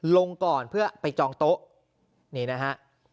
ลงก่อนเพื่อไปจองโต๊ะนี่นะฮะ